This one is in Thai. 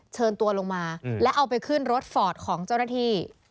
เชิญตัวลงมาและเอาไปขึ้นรถฟอร์ดของเจ้าหน้าที่